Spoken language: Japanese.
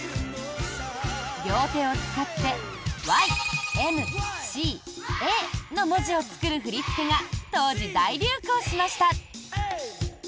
両手を使ってＹ、Ｍ、Ｃ、Ａの文字を作る振り付けが当時大流行しました。